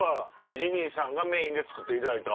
ジミーさんがメインで作っていただいた。